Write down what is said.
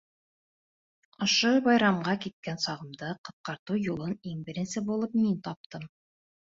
Ошо байрамға киткән сығымды ҡыҫҡартыу юлын иң беренсе булып мин таптым.